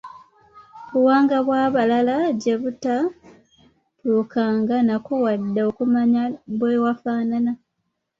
Buwangwa bw’abalala gye tutatuukanga nako wadde okumanya bwe wafaanana.